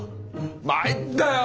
まいったよ。